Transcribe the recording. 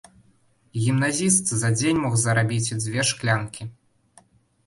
Гімназіст за дзень мог зарабіць дзве шклянкі.